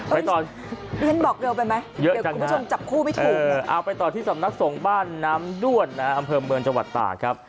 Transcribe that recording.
มีเฮ้ยบอกเร็วไปไหมเยอะจังฮะเดี๋ยวผู้ชมจับคู่ไม่ถูกเอาไปต่อที่สำนักสงครรษ์บ้านน้่ำด้วนนะอำเภอเมืองจัวรรย์ต่านะครับ